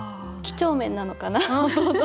几帳面なのかな。